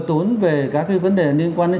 tốn về các cái vấn đề liên quan đến